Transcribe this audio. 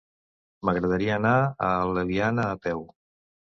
M'agradaria anar a l'Eliana a peu.